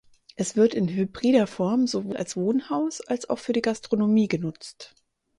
Es wird in hybrider Form sowohl als Wohnhaus als auch für die Gastronomie genutzt.